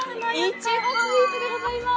いちごスイーツでございます！